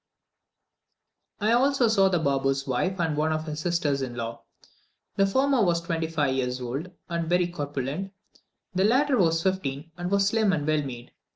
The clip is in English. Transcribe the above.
I also saw the Baboo's wife and one of his sisters in law. The former was twenty five years old and very corpulent, the latter was fifteen and was slim and well made.